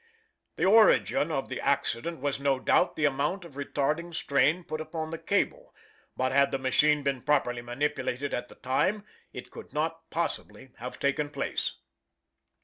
The origin of the accident was, no doubt, the amount of retarding strain put upon the cable, but had the machine been properly manipulated at the time, it could not possibly have taken place.